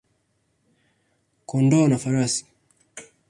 kondoo na farasi.